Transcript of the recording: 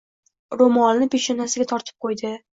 Ro‘molini peshonasiga tortib qo‘ydi.